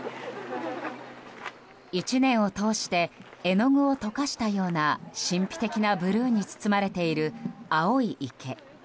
１年を通して絵の具を溶かしたような神秘的なブルーに包まれている青い池。